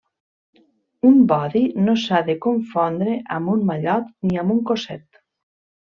Un bodi no s'ha de confondre amb un mallot ni amb un cosset.